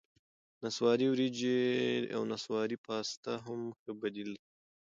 نسواري ورېجې او نسواري پاستا هم ښه بدیل دي.